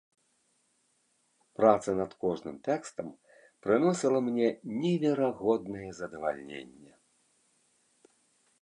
Праца над кожным тэкстам прыносіла мне неверагоднае задавальненне.